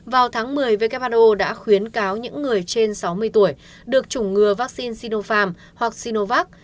vào tháng một mươi who đã khuyến cáo những người trên sáu mươi tuổi được chủng ngừa vaccine sinovac